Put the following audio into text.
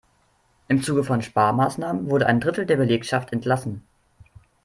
Im Zuge von Sparmaßnahmen wurde ein Drittel der Belegschaft entlassen.